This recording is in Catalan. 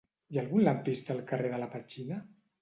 Hi ha algun lampista al carrer de la Petxina?